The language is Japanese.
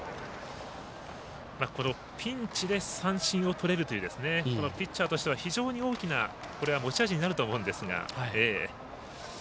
ピンチで三振をとれるというピッチャーとしては非常に大きな持ち味になると思うんですが。